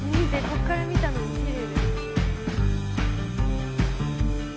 こっから見たのもきれいだよ。